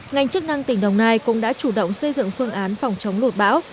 ngành chức năng tỉnh đồng nai cũng đã chủ động xây dựng phương án phòng chống lụt bão